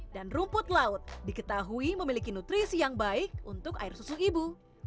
dan rumput laut diketahui memiliki nutrisi yang baik untuk air susu ibu